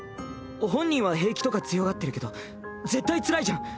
本人は平気とか強がってるけど絶対つらいじゃん。